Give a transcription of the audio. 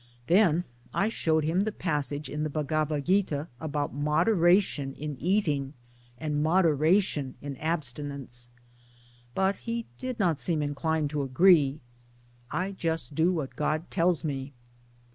Then I showed him the passage in the Bhagavat Gita about moderation ill eating and moderation in abstinence ; but he did not seem inclined to agree. " I just do what God tells me."